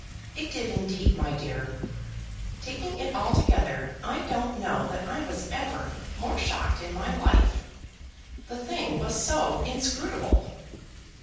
It did, indeed, my dear. Taking it altogether, I don't know that I was ever more shocked in my life. The thing was so inscrutable!"